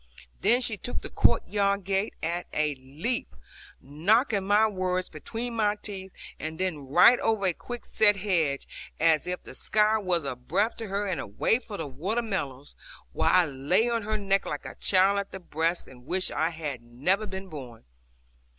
Then she took the court yard gate at a leap, knocking my words between my teeth, and then right over a quick set hedge, as if the sky were a breath to her; and away for the water meadows, while I lay on her neck like a child at the breast and wished I had never been born.